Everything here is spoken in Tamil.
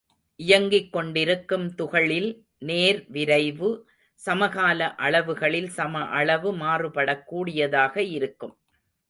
இயங்கிக் கொண்டிருக்கும் துகளில் நேர் விரைவு சமகால அளவுகளில் சம அளவு மாறுபடக் கூடியதாக இருக்கும்.